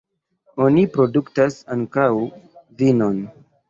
Oni produktas ankaŭ vinon.